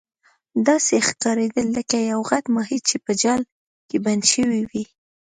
داسې ښکاریدل لکه یو غټ ماهي چې په جال کې بند شوی وي.